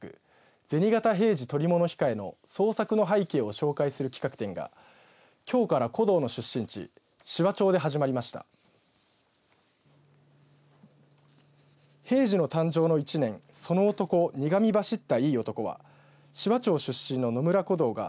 銭形平次捕物控の創作の背景を紹介する企画展がきょうから胡堂の出身地紫波町で始まりました。